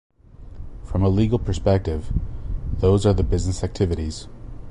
From a legal perspective, those are the business activities.